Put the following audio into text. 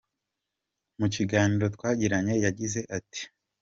com Mu kiganiro twagiranye yagize ati,.